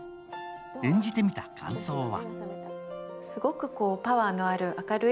演じてみた感想は？